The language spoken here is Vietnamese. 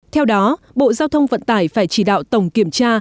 theo đó bộ giao thông vận tải phải chỉ đạo tổng kiểm tra